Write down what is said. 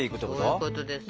そういうことですよ。